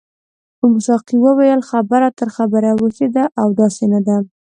ساقي وویل خبره تر خبرې اوښتې ده او داسې نه ده.